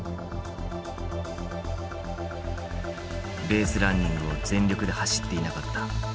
「ベースランニングを全力で走っていなかった。